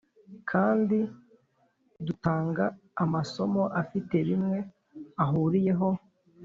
kandi dutanga amasomo afite bimwe ahuriyeho